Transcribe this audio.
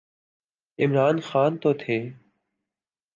عمران خان تو تھے۔